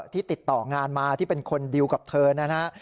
ที่ติดต่องานมาที่เป็นคนดีลกับเธอนะฮะ